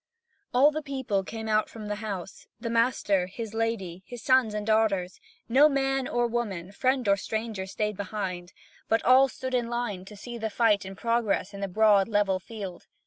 All the people came out from the house: the master, his lady, his sons and daughters; no man or woman, friend or stranger, stayed behind, but all stood in line to see the fight in progress in the broad, level field.